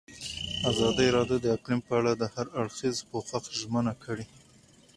ازادي راډیو د اقلیم په اړه د هر اړخیز پوښښ ژمنه کړې.